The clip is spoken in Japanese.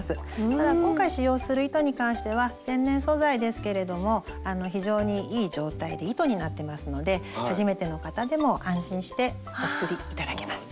ただ今回使用する糸に関しては天然素材ですけれども非常にいい状態で糸になってますので初めての方でも安心してお作り頂けます。